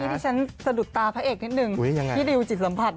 เมื่อกี้ที่ฉันสะดุดตาพระเอกนิดหนึ่งที่ริวจิตสัมผัส